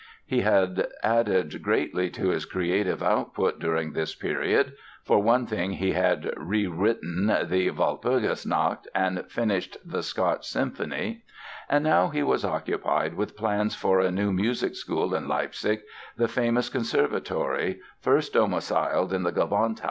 He had added greatly to his creative output during this period (for one thing he had rewritten the "Walpurgisnacht" and finished the "Scotch" Symphony) and now he was occupied with plans for a new music school in Leipzig—the famous Conservatory, first domiciled in the Gewandhaus.